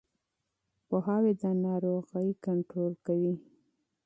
پوهاوی د ناروغۍ کنټرول کوي.